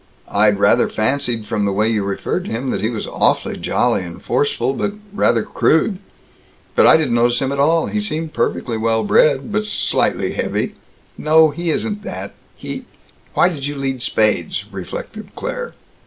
I'd rather fancied from the way you referred to him that he was awfully jolly and forceful, but rather crude. But I didn't notice him at all. He seemed perfectly well bred, but slightly heavy." "No, he isn't that He Why did you lead spades?" reflected Claire.